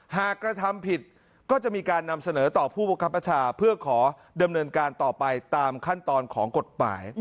กระทำผิดก็จะมีการนำเสนอต่อผู้บังคับประชาเพื่อขอดำเนินการต่อไปตามขั้นตอนของกฎหมาย